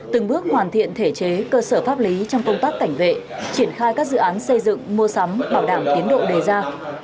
từng bước hoàn thiện thể chế cơ sở pháp lý trong công tác cảnh vệ triển khai các dự án xây dựng mua sắm bảo đảm tiến độ đề ra